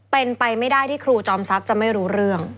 เป็นไปไม่ได้ที่ครูจอมทรัพย์จะไม่รู้เรื่อง